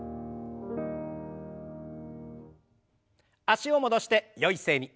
脚を戻してよい姿勢に。